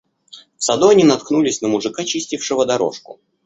В саду они наткнулись на мужика, чистившего дорожку.